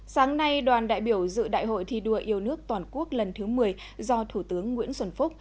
sáng nay đoàn đại biểu dự đại hội thi đua yêu nước toàn quốc lần thứ một mươi do thủ tướng nguyễn xuân phúc